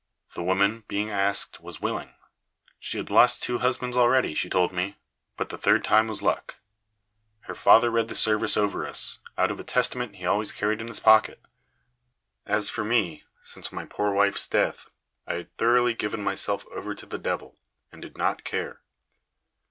The woman, being asked, was willing. She had lost two husbands already, she told me, but the third time was luck. Her father read the service over us, out of a Testament he always carried in his pocket. As for me, since my poor wife's death I had thoroughly given myself over to the devil, and did not care.